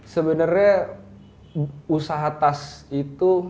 sebenarnya usaha tas itu